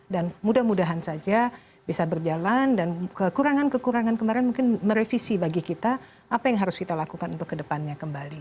dan mudah mudahan saja bisa berjalan dan kekurangan kekurangan kemarin mungkin merevisi bagi kita apa yang harus kita lakukan untuk kedepannya kembali